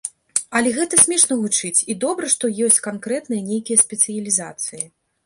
Але гэта смешна гучыць, і добра, што ёсць канкрэтныя нейкія спецыялізацыі.